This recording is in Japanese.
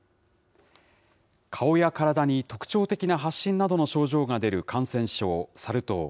顔や体に特長的な発疹などの症状が出る感染症、サル痘。